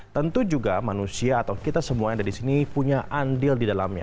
tentu juga manusia atau kita semua yang ada di sini punya andil di dalamnya